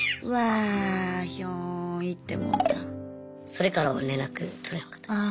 それからは連絡取れなかったです。